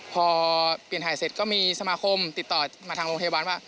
พอเปลี่ยนถ่ายเสร็จก็มีสมาคมติดต่อมาทางโรงพยาบาลว่า